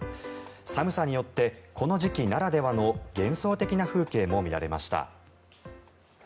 寒さによってこの時期ならではの幻想的な風景も見られました。